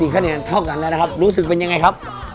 คะแนนเท่ากันแล้วนะครับรู้สึกเป็นยังไงครับ